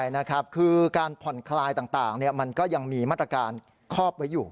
ใช่นะครับคือการผ่อนคลายต่างมันก็ยังมีมาตรการครอบไว้อยู่